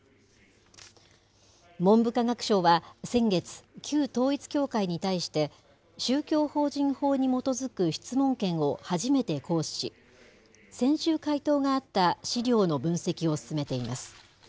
文部科学省は先月、旧統一教会に対して、宗教法人法に基づく、質問権を初めて行使し、先週回答があった資料の分析を進めています。